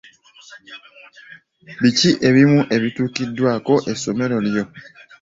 Biki ebimu ebituukiddwako essomero lyo?